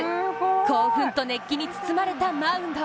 興奮と熱気に包まれたマウンド。